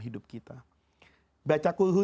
hidup kita baca kulhu